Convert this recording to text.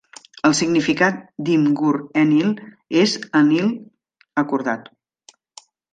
El significat d'Imgur-Enlil és "Enlil acordat".